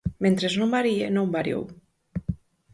Mentres non varíe, non variou.